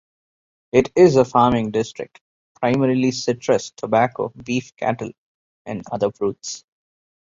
It is a farming district, primarily citrus, tobacco, beef cattle and other fruits.